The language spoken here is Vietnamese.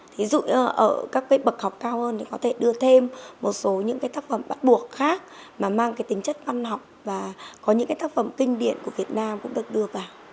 thí dụ như ở các cái bậc học cao hơn thì có thể đưa thêm một số những cái tác phẩm bắt buộc khác mà mang cái tính chất văn học và có những cái tác phẩm kinh điển của việt nam cũng được đưa vào